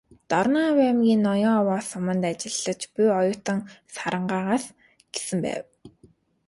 "Дорноговь аймгийн Ноён-Овоо суманд ажиллаж буй оюутан Сарангаа"с гэсэн байв.